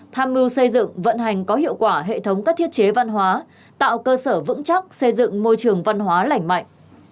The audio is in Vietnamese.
tham mưu xây dựng vận hành có hiệu quả hệ thống các thiết chế văn hóa tạo cơ sở vững chắc xây dựng môi trường văn hóa lành mạnh